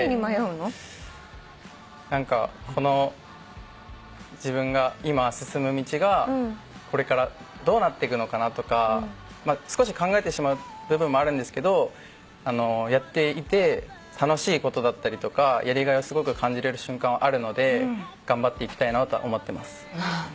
何かこの自分が今進む道がこれからどうなっていくのかなとか少し考えてしまう部分もあるんですけどやっていて楽しいことだったりとかやりがいをすごく感じられる瞬間あるので頑張っていきたいなとは思ってます。